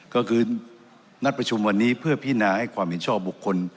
ก็คือนัดประชุมวันนี้เพื่อพินาให้ความเห็นชอบบุคคล